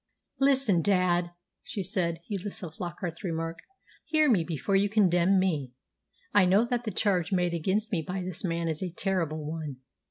"Listen, dad," she said, heedless of Flockart's remark. "Hear me before you condemn me. I know that the charge made against me by this man is a terrible one.